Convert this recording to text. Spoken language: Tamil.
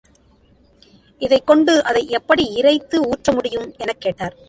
இதைக் கொண்டு அதை எப்படி இறைத்து, ஊற்ற முடியும் எனக் கேட்டார்.